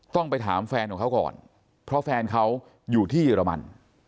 ต้องไปถามแฟนของเขาก่อนเพราะแฟนเขาอยู่ที่เยอรมัน